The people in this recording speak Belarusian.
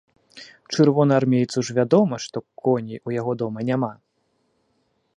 Чырвонаармейцу ж вядома, што коней у яго дома няма!